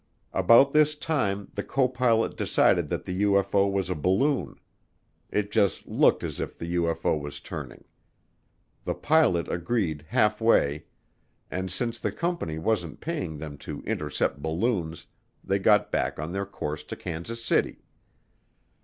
About this time the copilot decided that the UFO was a balloon; it just looked as if the UFO was turning. The pilot agreed halfway and since the company wasn't paying them to intercept balloons, they got back on their course to Kansas City.